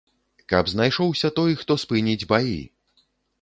Каб знайшоўся той, хто спыніць баі.